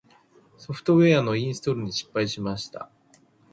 ソフトウェアのインストールに失敗しました。